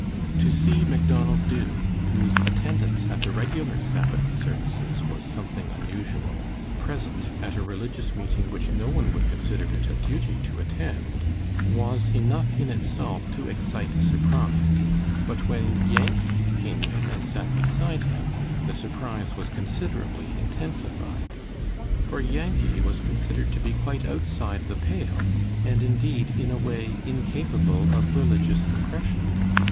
To see Macdonald Dubh, whose attendance at the regular Sabbath services was something unusual, present at a religious meeting which no one would consider it a duty to attend, was enough in itself to excite surprise, but when Yankee came in and sat beside him, the surprise was considerably intensified. For Yankee was considered to be quite outside the pale, and indeed, in a way, incapable of religious impression.